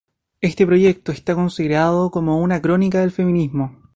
Este proyecto está considerado como una crónica del feminismo.